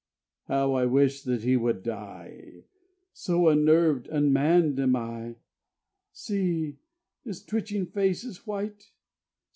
How I wish that he would die! So unnerved, unmanned am I. See! His twitching face is white!